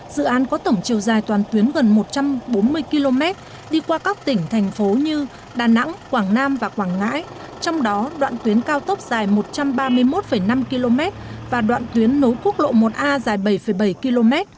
dự án có tổng chiều dài toàn tuyến gần một trăm bốn mươi km đi qua các tỉnh thành phố như đà nẵng quảng nam và quảng ngãi trong đó đoạn tuyến cao tốc dài một trăm ba mươi một năm km và đoạn tuyến nấu quốc lộ một a dài bảy bảy km